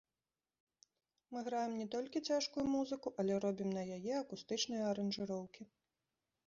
Мы граем не толькі цяжкую музыку, але робім на яе акустычныя аранжыроўкі.